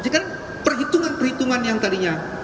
jika perhitungan perhitungan yang kalinya